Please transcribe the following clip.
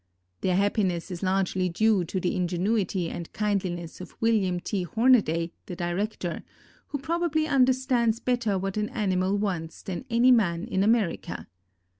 Their happiness is largely due to the ingenuity and kindliness of William T. Hornaday, the director, who probably understands better what an animal wants than any man in America.